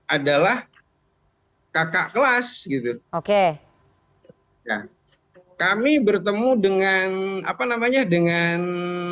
adalah kakak kelas gitu oke kami bertemu dengan apa namanya dengan